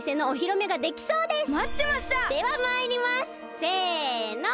ではまいります！せの！